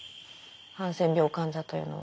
ハンセン病患者というのは。